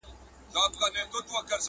o اوښ تر پله لاندي نه سي پټېدلاى!